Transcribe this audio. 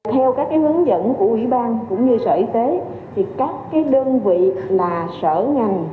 theo các hướng dẫn của ubnd tp hcm các đơn vị sở ngành